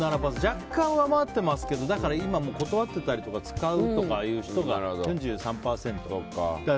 若干上回ってますけどだから今、断ってたりとか使うとかいう人が４３％か。